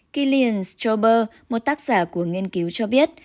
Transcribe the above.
gillian stober một tác giả của nghiên cứu cho biết